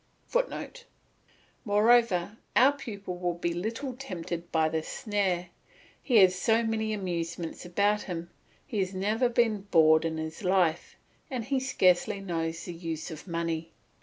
[Footnote: Moreover our pupil will be little tempted by this snare; he has so many amusements about him, he has never been bored in his life, and he scarcely knows the use of money.